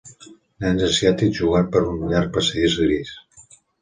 Nens asiàtics jugant per un llarg passadís gris.